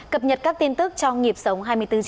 cập nhật các tin tức trong nghiệp sống hai mươi bốn bảy